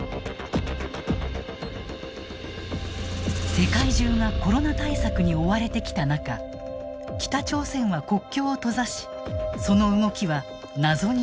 世界中がコロナ対策に追われてきた中北朝鮮は国境を閉ざしその動きは謎に包まれてきた。